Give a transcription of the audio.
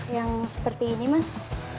yang seperti ini mas